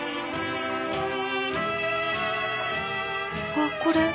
あっこれ。